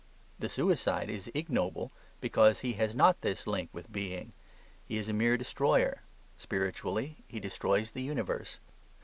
The suicide is ignoble because he has not this link with being: he is a mere destroyer; spiritually, he destroys the universe.